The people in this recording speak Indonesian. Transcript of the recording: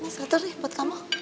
satu nih buat kamu